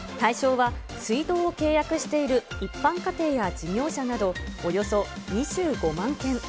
対象は水道を契約している一般家庭や事業者などおよそ２５万件。